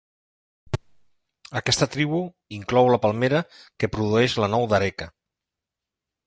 Aquesta tribu inclou la palmera que produeix la nou d'areca.